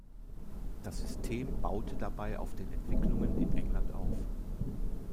Das System baute dabei auf den Entwicklungen in England auf.